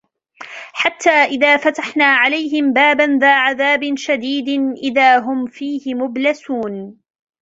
حتى إذا فتحنا عليهم بابا ذا عذاب شديد إذا هم فيه مبلسون